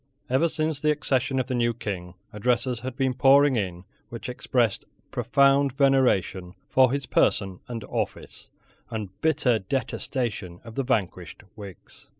Ever since the accession of the new King, addresses had been pouring in which expressed profound veneration for his person and office, and bitter detestation of the vanquished Whigs.